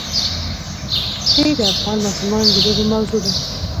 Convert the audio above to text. ښتې د افغان ماشومانو د لوبو موضوع ده.